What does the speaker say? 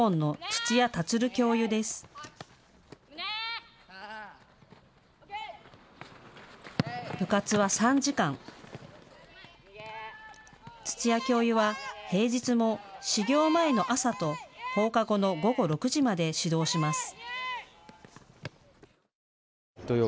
土屋教諭は平日も始業前の朝と放課後の午後６時まで指導します。